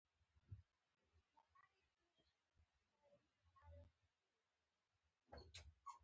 تاسې ویل چې زه راځم.